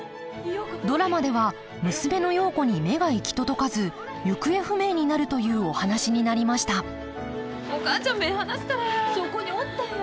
ドラマでは娘の陽子に目が行き届かず行方不明になるというお話になりましたお母ちゃん目ぇ離すからや。